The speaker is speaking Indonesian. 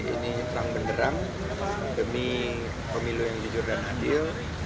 ini terang benderang demi pemilu yang jujur dan adil